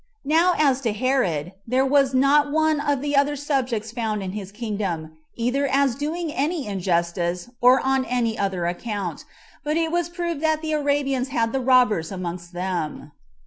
Now, as to Herod, there was not one of the other's subjects found in his kingdom, either as doing any injustice, or on any other account, but it was proved that the Arabians had the robbers amongst them.